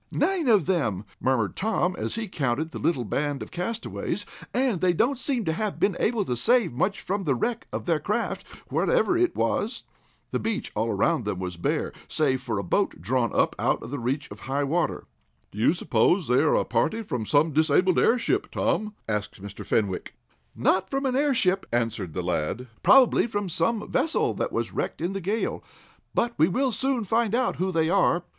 "Nine of them," murmured Tom, as he counted the little band of castaways, "and they don't seem to have been able to save much from the wreck of their craft, whatever it was." The beach all about them was bare, save for a boat drawn up out of reach of high water. "Do you suppose they are a party from some disabled airship, Tom," asked Mr. Fenwick. "Not from an airship," answered the lad. "Probably from some vessel that was wrecked in the gale. But we will soon find out who they are."